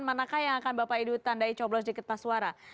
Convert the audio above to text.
manakah yang akan bapak idu tandai coblos deket paswara